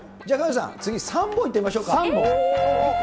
じゃあ、萱野さん、次、３本いってみましょうか。